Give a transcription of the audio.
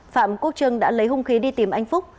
phạm quốc trương đã lấy hung khí đi tìm anh phúc